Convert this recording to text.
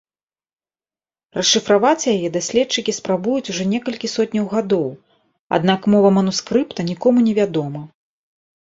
Расшыфраваць яе даследчыкі спрабуюць ужо некалькі сотняў гадоў, аднак мова манускрыпта нікому не вядома.